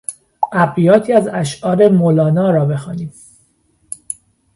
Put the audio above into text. ابیاتی از اشعار مولانا را بخوانیم